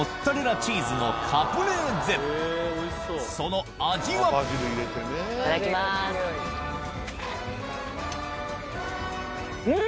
その味はん！